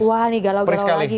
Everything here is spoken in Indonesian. wah ini galau galau lagi